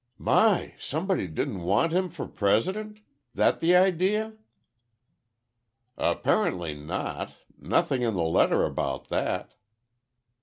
"My! Somebody didn't want him for president? That the idea?" "Apparently not. Nothing in the letter about that."